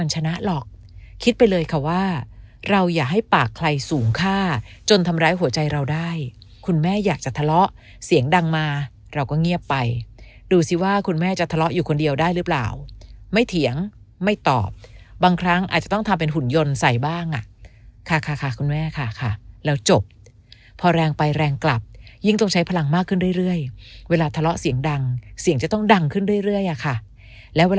จนทำร้ายหัวใจเราได้คุณแม่อยากจะทะเลาะเสียงดังมาเราก็เงียบไปดูสิว่าคุณแม่จะทะเลาะอยู่คนเดียวได้หรือเปล่าไม่เถียงไม่ตอบบางครั้งอาจจะต้องทำเป็นหุ่นยนต์ใส่บ้างอ่ะค่ะค่ะค่ะคุณแม่ค่ะค่ะแล้วจบพอแรงไปแรงกลับยิ่งต้องใช้พลังมากขึ้นเรื่อยเวลาทะเลาะเสียงดังเสียงจะต้องดังขึ้นเรื่